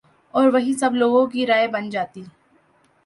اور وہی سب لوگوں کی رائے بن جاتی